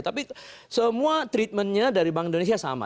tapi semua treatmentnya dari bank indonesia sama